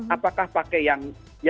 apakah pakai yang lima satu